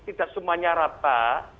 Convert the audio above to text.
tidak semuanya rata